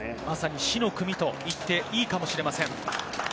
死の組と言っていいかもしれません。